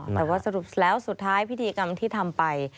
แต่ว่าสรุปแล้วสุดท้ายพิธีกรรมที่ทำไป